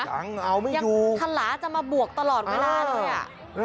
ยังเอาไม่ยูมยังทะลาจะมาบวกตลอดเมื่อหน้าเลย